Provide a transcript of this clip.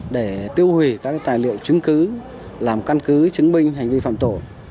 để tiêu hủy các tài liệu chứng cứ làm căn cứ chứng minh hành vi phạm tội